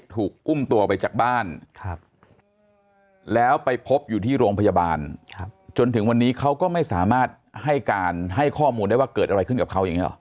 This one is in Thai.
ถูกอุ้มตัวไปจากบ้านแล้วไปพบอยู่ที่โรงพยาบาลจนถึงวันนี้เขาก็ไม่สามารถให้การให้ข้อมูลได้ว่าเกิดอะไรขึ้นกับเขาอย่างนี้หรอ